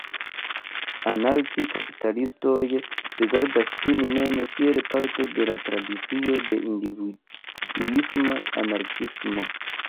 Anarki-kapitalistoj rigardas sin mem kiel parto de la tradicio de individuisma anarkiismo.